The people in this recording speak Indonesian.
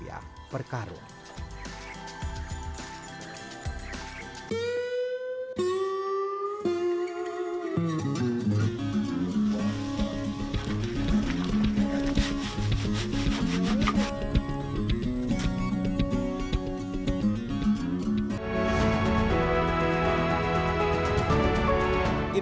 airnya akan lebih sedikit